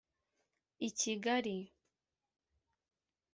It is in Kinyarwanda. I Kigali